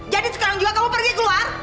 jadi sekarang juga kamu pergi keluar